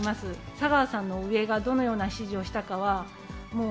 佐川さんの上がどのような指示をしたかは、もう、